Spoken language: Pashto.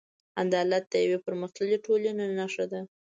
عدالت د یوې پرمختللې ټولنې نښه ده.